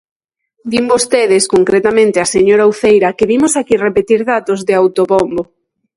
Din vostedes, concretamente a señora Uceira, que vimos aquí repetir datos de autobombo.